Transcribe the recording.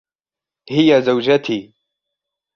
هي زوجتي.